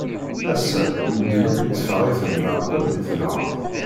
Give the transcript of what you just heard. Ass-a medden akk itteffeɣ-iten leεqel di tenhert.